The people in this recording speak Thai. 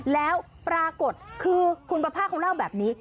แล้วปรากฏคือคุณประภาคเขาเล่าแบบนี้